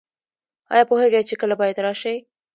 ایا پوهیږئ چې کله باید راشئ؟